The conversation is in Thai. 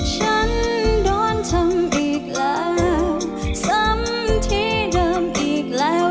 ฉันโดนทำอีกแล้วซ้ำที่เดิมอีกแล้ว